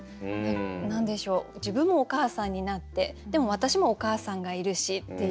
何でしょう自分もお母さんになってでも私もお母さんがいるしっていう。